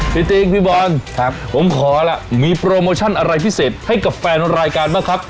จริงพี่บอลผมขอล่ะมีโปรโมชั่นอะไรพิเศษให้กับแฟนรายการบ้างครับ